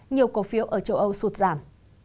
nhiều cổ phiếu ở châu âu sụt giảm